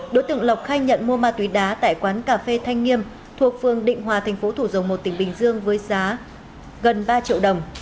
đối tượng lộc khai nhận mua ma túy đá tại quán cà phê thanh nghiêm thuộc phương định hòa thành phố thủ dầu một tỉnh bình dương với giá gần ba triệu đồng